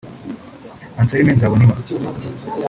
Anselme Nzabonimpa